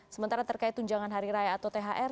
sementara terkait tunjangan hari raya atau thr